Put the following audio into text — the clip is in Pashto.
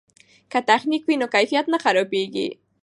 که تخنیک وي نو کیفیت نه خرابیږي.